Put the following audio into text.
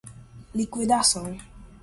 liquidação